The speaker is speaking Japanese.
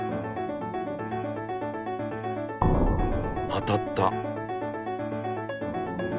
当たった。